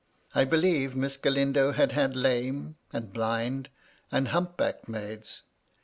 I believe Miss Galindo had had lame and blind and hump backed maids.